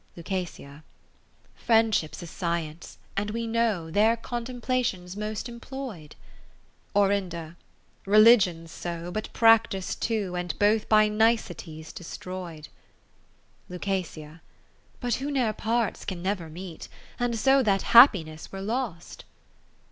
Luc. Friendship 's a Science, and we know There Contemplation's mostcm ploy'd. Orin. Religion 's so, but practic too. And both by niceties destroy'd. 20 ( 522 ) Luc. But who ne'er parts can never meet. And so that happiness were lost.